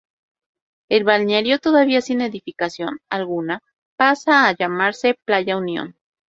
El balneario, todavía sin edificación alguna, pasa a llamarse "Playa Unión".